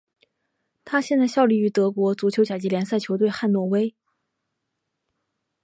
他现在效力于德国足球甲级联赛球队汉诺威。